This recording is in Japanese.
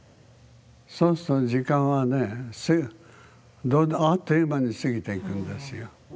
そうすると時間はねあっという間に過ぎていくんですよ。